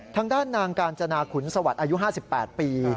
ทางด้านนางกาญจนาขุนสวัสดิ์อายุ๕๘ปี